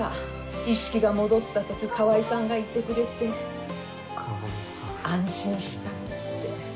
意識が戻った時川合さんがいてくれて安心したって。